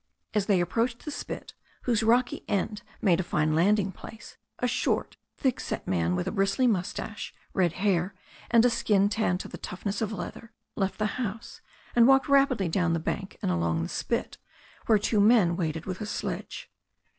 As they approached the spit, whose rocky end made a fine landing place, a short thick set man with a bristly mous tache, reddish hair, and a skin tanned to the toughness of leather, left the house, and walked rapidly down the bank and along the spit, where two men waited with a sledge.